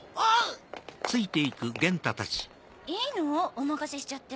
お任せしちゃって。